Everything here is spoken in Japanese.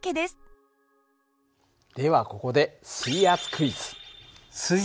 ではここで水圧クイズ？